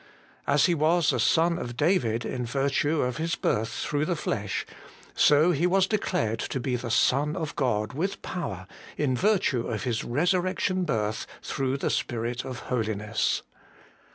As He was a Son of David in virtue of His birth through the flesh, so He was declared to be the Son of God with power, in virtue of His resurrection birth through the Spirit of holiness.